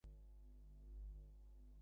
Mrs Jo Johnson.